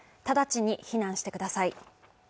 直ちに避難してください。